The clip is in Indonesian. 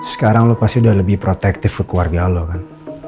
sekarang lo pasti udah lebih protektif ke keluarga lo kan